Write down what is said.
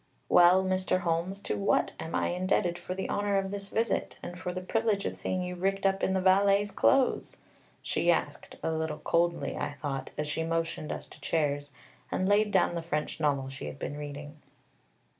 "Well, Mr. Holmes, to what am I indebted for the honor of this visit, and for the privilege of seeing you rigged up in the valet's clothes?" she asked, a little coldly, I thought, as she motioned us to chairs, and laid down the French novel she had been reading.